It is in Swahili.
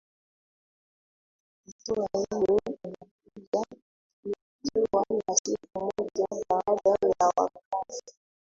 hatua hiyo inakuja ikiwa ni siku moja baada ya wakara